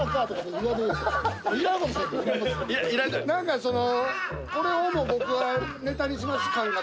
なんかその。